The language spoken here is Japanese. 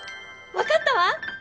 わかったわ！